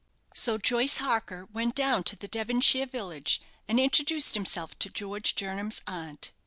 So Joyce Harker went down to the Devonshire village, and introduced himself to George Jernam's aunt.